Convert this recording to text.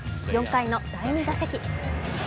４回の第２打席。